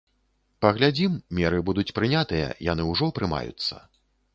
Паглядзім, меры будуць прынятыя, яны ўжо прымаюцца.